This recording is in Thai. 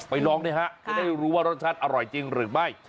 ลองนี่ฮะจะได้รู้ว่ารสชาติอร่อยจริงหรือไม่